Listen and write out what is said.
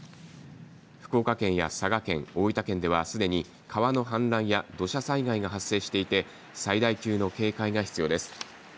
福岡県や佐賀県、大分県ではすでに川の氾濫や土砂災害が発生していて最大級の警戒が必要です。